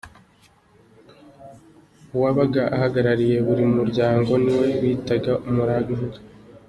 Uwabaga ahagarariye buri muryango niwe bitaga “Umuranga”.